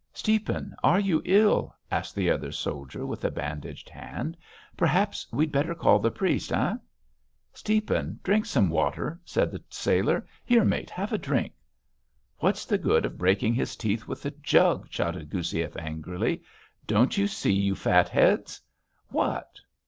"Stiepan, are you ill?" asked the other soldier with the bandaged hand. "Perhaps we'd better call the priest, eh?" "Stiepan, drink some water," said the sailor. "Here, mate, have a drink." "What's the good of breaking his teeth with the jug," shouted Goussiev angrily. "Don't you see, you fatheads?" "What."